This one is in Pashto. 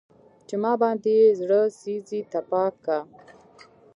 چې ما باندې يې زړه سيزي تپاک کا